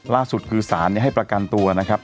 ล่าสุดคือสารให้ประกันตัวนะครับ